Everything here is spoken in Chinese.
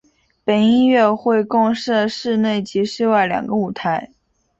本音乐会共设室内及室外两个舞台。